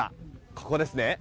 ここですね。